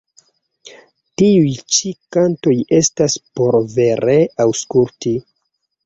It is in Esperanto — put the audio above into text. Tiuj ĉi kantoj estas por vere aŭskulti.